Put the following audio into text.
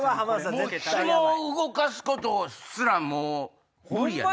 どっちも動かすことすらもう無理やな。